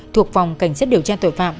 thuộc phòng cảnh sát điều tra tội phạm